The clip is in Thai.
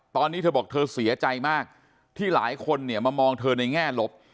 ตอนนี้เธอบอกเธอเสียใจมากที่หลายคนเนี่ยมามองเธอในแง่ลบ